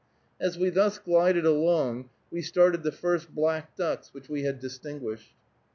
As we thus glided along we started the first black ducks which we had distinguished.